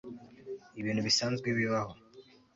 ibintu bisanzwe bibaho